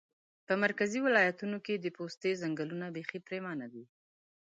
په مرکزي ولایتونو کې د پوستې ځنګلونه پیخي پرېمانه دي